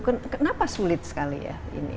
kenapa sulit sekali ya